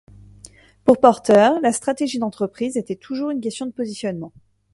Pour Porter, la stratégie d'entreprise était toujours une question de positionnement.